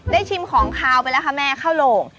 ชิมของขาวไปแล้วค่ะแม่ข้าวโหลง